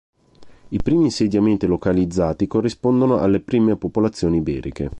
I primi insediamenti localizzati corrispondono alle prime popolazione iberiche.